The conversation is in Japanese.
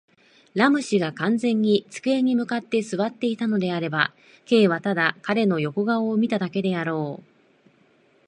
ラム氏が完全に机に向って坐っていたのであれば、Ｋ はただ彼の横顔を見ただけであろう。